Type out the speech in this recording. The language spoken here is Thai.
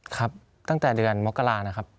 ครับตั้งแต่เดือนมกรานะครับ